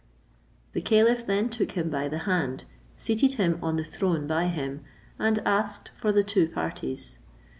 The caliph then took him by the hand, seated him on the throne by him, and asked for the two parties.